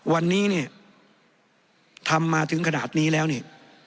วันนี้เนี่ยทำมาถึงขนาดนี้แล้วเนี่ย